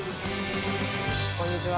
こんにちは。